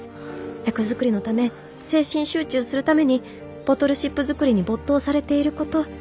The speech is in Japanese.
役作りのため精神集中するためにボトルシップ作りに没頭されていること。